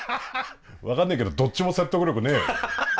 分かんねえけどどっちも説得力ねえよ。